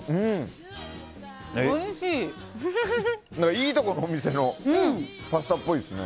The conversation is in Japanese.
いいとこのお店のパスタっぽいですね。